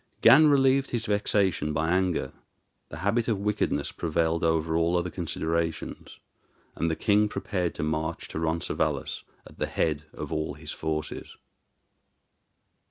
Gan relieved his vexation by anger; the habit of wickedness prevailed over all other considerations; and the king prepared to march to Roncesvalles at the head of all his forces.